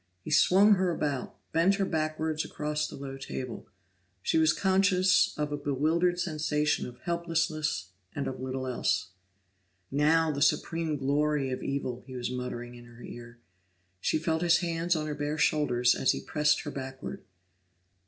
He swung her about, bent her backwards across the low table; she was conscious of a bewildered sensation of helplessness and of little else. "Now the supreme glory of evil!" he was muttering in her ear. She felt his hands on her bare shoulders as he pressed her backward.